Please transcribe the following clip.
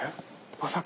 まさか。